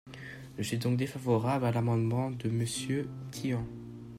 Je suis donc défavorable à l’amendement de Monsieur Tian.